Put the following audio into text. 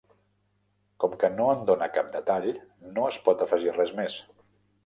Com que no en dóna cap detall no es pot afegir res més.